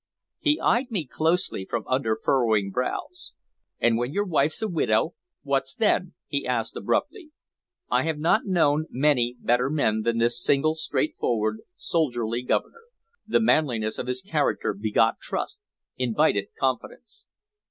He eyed me closely from under frowning brows. "And when your wife's a widow, what then?" he asked abruptly. I have not known many better men than this simple, straightforward, soldierly Governor. The manliness of his character begot trust, invited confidence.